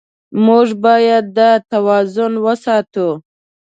موږ باید دا توازن وساتو.